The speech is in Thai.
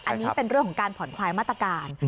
อันนี้เป็นเรื่องของการผ่อนคลายมาตรการ